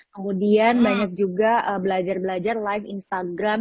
kemudian banyak juga belajar belajar live instagram